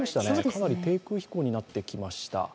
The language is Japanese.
かなり低空飛行になってきました。